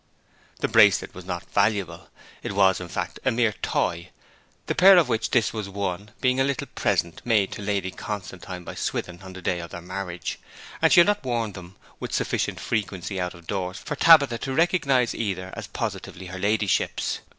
The bracelet was not valuable; it was, in fact, a mere toy, the pair of which this was one being a little present made to Lady Constantine by Swithin on the day of their marriage; and she had not worn them with sufficient frequency out of doors for Tabitha to recognize either as positively her ladyship's.